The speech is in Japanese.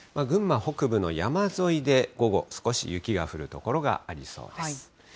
群馬北部の山沿いで午後、少し雪が降る所がありそうです。